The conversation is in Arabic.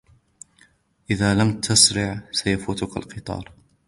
إذا لم تسرع سيفوتك القطار.